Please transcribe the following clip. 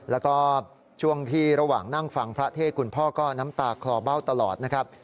แล้วก็ช่วงที่ระหว่างนั่งฟังพระเทศคุณพ่อก็น้ำตาคลอเบ้าตลอดนะครับ